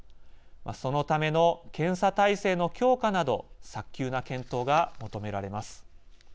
そのための検査体制の強化など早急な検討が求められます。